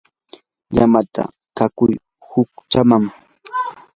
llamata qaykuy kunchaman.